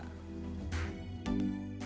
perayaan world health day kali ini memiliki